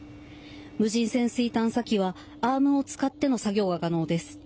無人潜水探査機はアームを使っての作業が可能です。